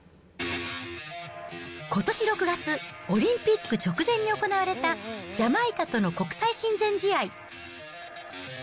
ことし６月、オリンピック直前に行われた、ジャマイカとの国際親善試合。